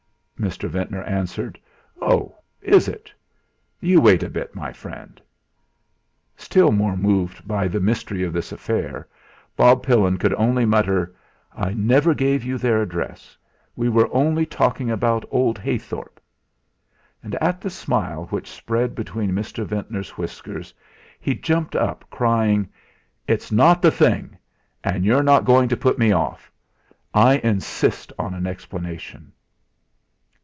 Mr. Ventnor answered: "Oh! is it? You wait a bit, my friend!" Still more moved by the mystery of this affair, Bob Pillin could only mutter: "I never gave you their address; we were only talking about old Heythorp." And at the smile which spread between Mr. Ventnor's whiskers, he jumped up, crying: "It's not the thing, and you're not going to put me off. I insist on an explanation."